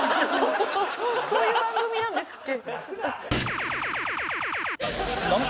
そういう番組なんですっけ？